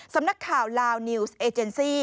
สำนักข่าวลาวนิวส์เอเจนซี่